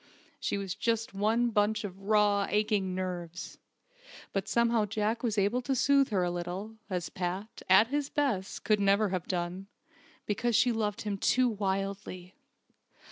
She was just one bunch of raw, aching nerves! But somehow Jack was able to soothe her a little, as Pat, at his best, could never have done, because she loved him too wildly.